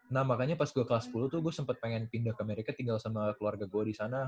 nah makanya pas gua kelas sepuluh tuh gua sempet pengen pindah ke amerika tinggal sama keluarga gua di sana